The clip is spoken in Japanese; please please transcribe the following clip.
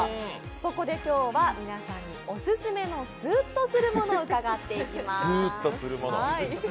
そこで今日は皆さんにオススメのスーッとするものを伺っていきます。